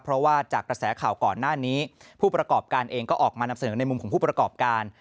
เพราะว่าจากกระแสข่าวก่อนหน้านี้ผู้ประกอบการเองก็ออกมานำเสนอในมุมของผู้ประกอบการ